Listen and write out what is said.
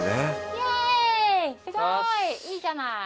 すごい！いいじゃない！